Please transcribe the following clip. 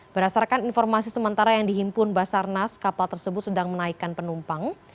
berdasarkan informasi sementara yang dihimpun basarnas kapal tersebut sedang menaikkan penumpang